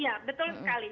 iya betul sekali